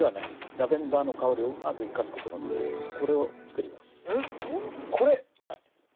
ラベンダーの香りをうまく生かす事のできるこれを作ります。